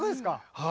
はい。